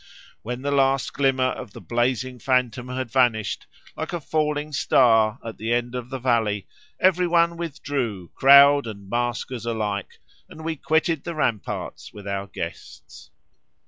When the last glimmer of the blazing phantom had vanished, like a falling star, at the end of the valley, every one withdrew, crowd and maskers alike, and we quitted the ramparts with our guests."